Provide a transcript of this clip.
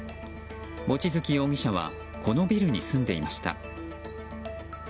望月容疑者はこのビルに住んでいました。